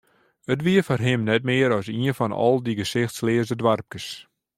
It wie foar him net mear as ien fan al dy gesichtleaze doarpkes.